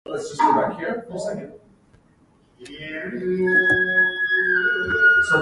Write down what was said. With the exception of Mummy Mountain, they are part of the Phoenix Mountain Preserve.